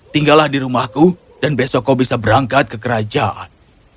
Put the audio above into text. tinggallah di rumahku dan besok kau bisa berangkat ke kerajaan